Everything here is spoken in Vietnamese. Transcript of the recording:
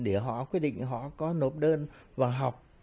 để họ quyết định họ có nộp đơn vào học